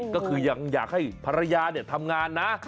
ก็คือยังอยากให้ภรรยาทำงานนะ